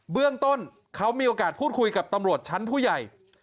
เบื้องต้นเขามีโอกาสพูดคุยกับตำรวจชั้นผู้ใหญ่